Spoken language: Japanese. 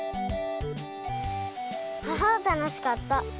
あたのしかった！